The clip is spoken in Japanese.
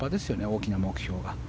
大きな目標が。